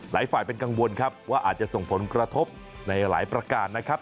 หลายฝ่ายเป็นกังวลครับว่าอาจจะส่งผลกระทบในหลายประการนะครับ